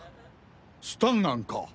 スタンガンか。